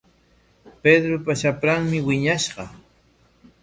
Pedropa shapranmi wiñashqa.